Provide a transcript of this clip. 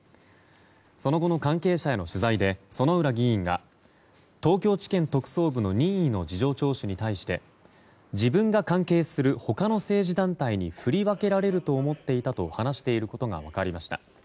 その後の関係者への取材で薗浦議員が東京地検特捜部の任意の事情聴取に対して自分が関係する他の政治団体に振り分けられると思っていたと話していることが分かりました。